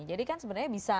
jadi kan sebenarnya bisa